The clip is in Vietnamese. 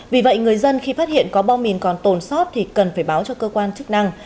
vì vậy người dân khi phát hiện có bom mìn còn tồn sót thì cần phải báo cho cơ quan chức năng